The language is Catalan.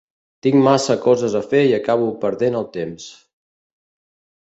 Tinc massa coses a fer i acabo perdent el temps.